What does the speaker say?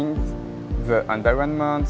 yang mereka inginkan